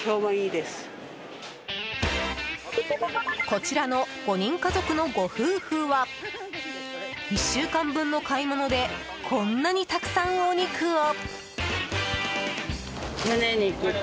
こちらの５人家族のご夫婦は１週間分の買い物でこんなにたくさんお肉を。